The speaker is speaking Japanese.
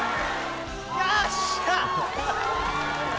よし！